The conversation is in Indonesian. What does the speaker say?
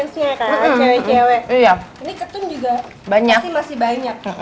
ini ketum juga banyaknya masih banyak